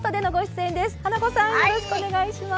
花子さんよろしくお願いします。